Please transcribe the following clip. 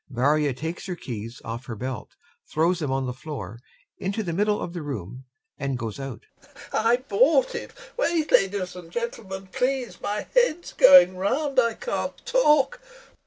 VARYA takes her keys off her belt, throws them on the floor, into the middle of the room and goes out.] LOPAKHIN. I bought it! Wait, ladies and gentlemen, please, my head's going round, I can't talk....